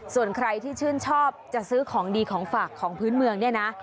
ส่วนใครที่ชื่นชอบจะซื้อของดีของฝากของพื้นเมืองเนี่ยนะ